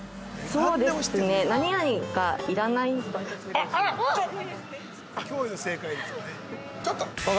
◆そうですね、何々が要らないとか。